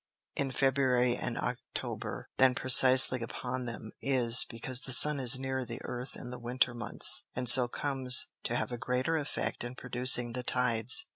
_ in February and October, than precisely upon them, is, because the Sun is nearer the Earth in the Winter Months, and so comes to have a greater effect in producing the Tides.